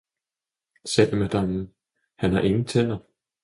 sagde madammen, han har ingen tænder.